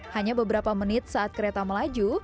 hanya beberapa menit saat kereta melaju